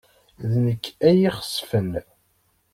D nekk ay ixesfen.